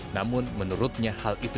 namun menurutnya hal itu